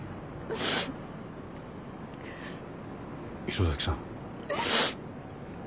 磯崎さん。